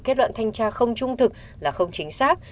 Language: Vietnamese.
kết luận thanh tra không trung thực là không chính xác